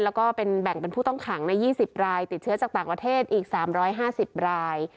แล้วก็เป็นแบ่งเป็นผู้ต้องขังใน๒๐รายติดเชื้อจากต่างประเทศอีก๓๕๐ราย